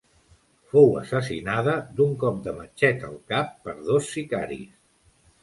Fou assassinada d'un cop de matxet al cap per dos sicaris.